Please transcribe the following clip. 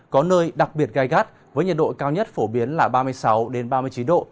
có nơi đặc biệt gai gắt với nhiệt độ cao nhất phổ biến là ba mươi sáu ba mươi chín độ